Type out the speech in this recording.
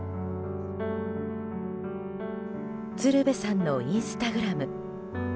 鶴瓶さんのインスタグラム。